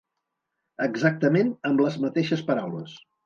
Exactament amb les mateixes paraules.